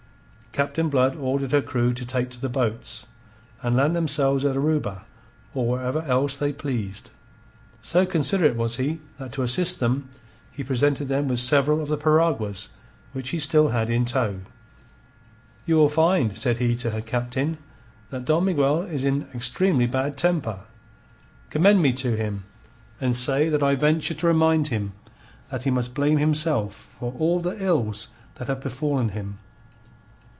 Captain Blood ordered her crew to take to the boats, and land themselves at Oruba or wherever else they pleased. So considerate was he that to assist them he presented them with several of the piraguas which he still had in tow. "You will find," said he to her captain, "that Don Miguel is in an extremely bad temper. Commend me to him, and say that I venture to remind him that he must blame himself for all the ills that have befallen him.